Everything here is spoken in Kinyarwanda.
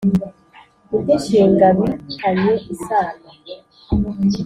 Indi nshinga bi tanye isano